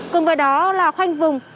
cùng với đó là khoanh vùng